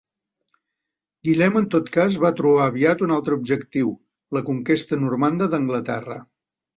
Guillem en tot cas va trobar aviat un altre objectiu, la conquesta normanda d'Anglaterra.